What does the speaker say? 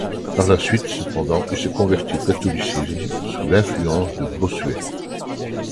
Par la suite, cependant, il se convertit au catholicisme sous l'influence de Bossuet.